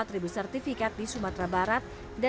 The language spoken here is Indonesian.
empat ribu sertifikat di sumatera barat dan